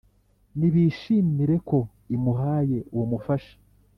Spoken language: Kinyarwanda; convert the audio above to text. Nibishimire ko imuhaye uwo mufasha